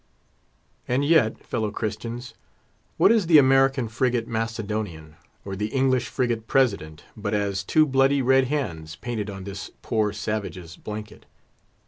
And yet, fellow Christians, what is the American frigate Macedonian, or the English frigate President, but as two bloody red hands painted on this poor savage's blanket?